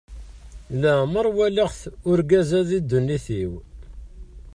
Leɛmeṛ walaɣ-t urgaz-a di ddunit-iw.